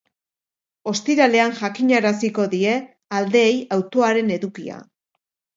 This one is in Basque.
Ostiralean jakinaraziko die aldeei autoaren edukia.